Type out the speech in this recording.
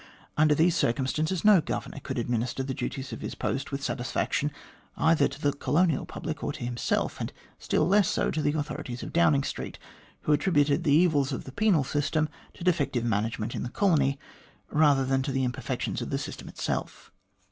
Under these circumstances, no Governor could administer the duties of his post with ' satisfaction either to the colonial public or to himself, and still less so to the authorities of Downing Street, who attributed the evils of the penal system to defective management in the colony, rather than to the imperfections of the system itself.